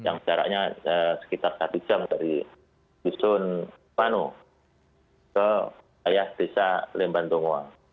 yang jaraknya sekitar satu jam dari bison manu ke ayas desa lembantungwa